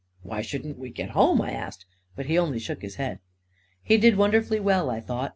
" Why shouldn't we get home ?" I asked, but he only shook his head. He did wonderfully well, I thought.